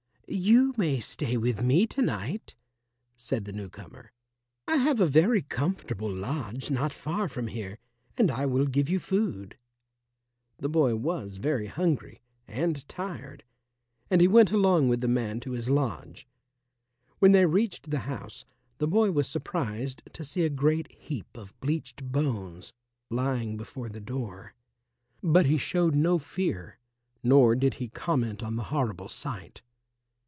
"You may stay with me to night," said the new comer. "I have a very comfortable lodge not far from here, and I will give you food." The boy was very hungry and tired, and he went along with the man to his lodge. When they reached the house the boy was surprised to see a great heap of bleached bones lying before the door. But he showed no fear nor did he comment on the horrible sight.